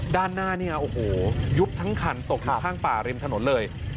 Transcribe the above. ด้านหน้าเนี่ยโอ้โหยุบทั้งคันตกอยู่ข้างป่าริมถนนเลย